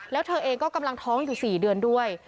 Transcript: แล้วเธอเองก็กำลังท้องอยู่๔เดือนด้วย